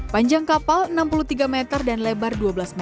panjang kapal enam puluh tiga meter dan lebar